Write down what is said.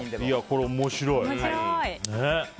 これ面白い。